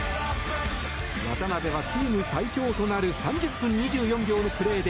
渡邊は、チーム最長となる３０分２４秒のプレーで